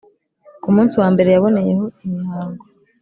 ku munsi wa mbere yaboneyeho imihango,